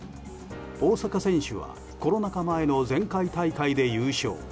大坂選手はコロナ禍前の前回大会で優勝。